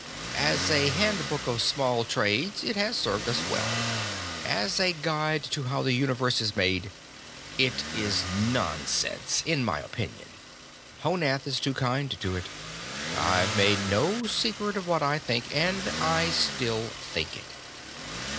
"As a handbook of small trades it has served us well. As a guide to how the universe is made, it is nonsense, in my opinion; Honath is too kind to it. I've made no secret of what I think, and I still think it."